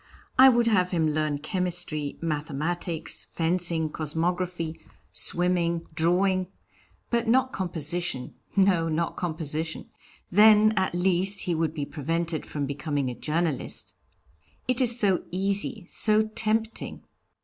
I would have him learn chemistry, mathematics, fencing, cosmography, swimming, drawing, but not composition no, not composition. Then, at least, he would be prevented from becoming a journalist. It is so easy, so tempting.